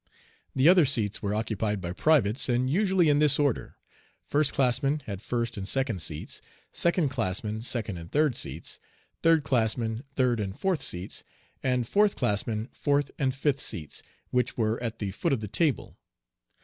The other seats were occupied by privates, and usually in this order: first classmen had first and second seats, second classmen second and third seats, third classmen third and fourth seats, and fourth classmen fourth and fifth seats, which were at the foot of the table.